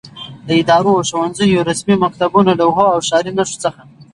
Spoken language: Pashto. له ادارو، ښوونځیو، رسمي مکتوبونو، لوحو او ښاري نښو څخه